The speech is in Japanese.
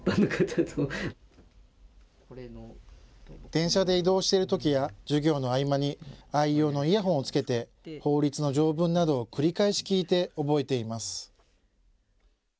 電車で移動しているときや授業の合間に愛用のイヤホンを着けて法律の条文などを繰り返し聞いて覚えています。